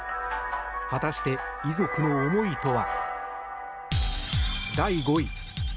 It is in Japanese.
果たして遺族の思いとは。